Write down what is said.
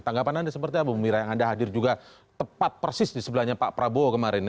tanggapan anda seperti apa ibu mira yang ada hadir juga tepat persis disebelahnya pak prabowo kemarin ya